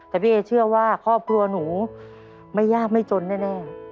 แต่พี่เอเชื่อว่าครอบครัวหนูไม่ยากไม่จนแน่